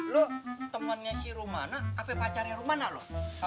lo temannya si rumana apa pacarnya rumana lo